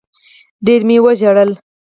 ډېر مي وژړل